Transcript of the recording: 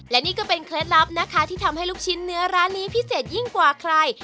และนี่ก็เป็นเคล็ดลับนะคะที่ทำให้ลูกชิ้นเนื้อร้านนี้พิเศษยิ่งกว่าใคร